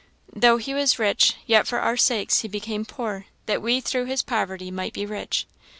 " 'Though he was rich, yet for our sakes he became poor, that we through his poverty might be rich.'